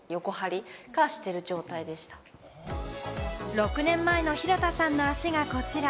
６年前の廣田さんの脚がこちら。